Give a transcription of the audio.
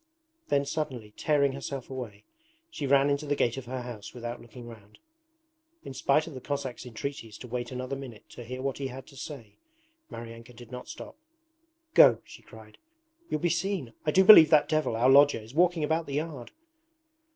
Then, suddenly tearing herself away, she ran into the gate of her house without looking round. In spite of the Cossack's entreaties to wait another minute to hear what he had to say, Maryanka did not stop. 'Go,' she cried, 'you'll be seen! I do believe that devil, our lodger, is walking about the yard.'